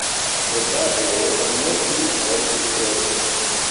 Probable ne pli ol dudek.